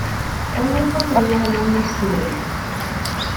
Tal vez porque había alumnos chilenos.